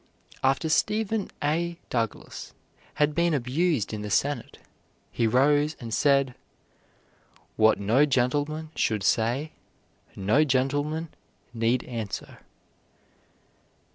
After Stephen A. Douglas had been abused in the Senate he rose and said: "What no gentleman should say no gentleman need answer."